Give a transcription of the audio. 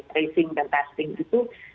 tracing dan testing itu